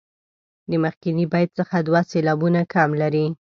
د مخکني بیت څخه دوه سېلابونه کم لري.